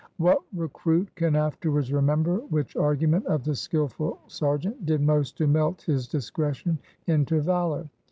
What recruit can afterwards remember which argument of the skilful sergeant did most to melt his discretion into valor?